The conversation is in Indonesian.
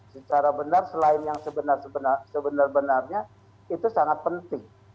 secara benar selain yang sebenar benarnya itu sangat penting